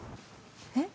えっ？